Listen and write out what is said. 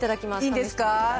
いいんですか。